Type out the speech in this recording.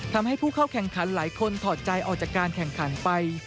ทำให้ผู้เข้าแข่งขันหลายคนถอดใจออกจากการแข่งขันไป